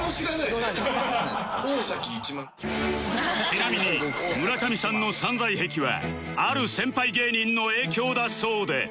ちなみに村上さんの散財癖はある先輩芸人の影響だそうで